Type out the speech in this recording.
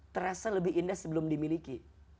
terasa lebih indah sebelum dimiliki